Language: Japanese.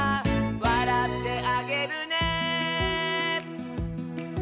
「わらってあげるね」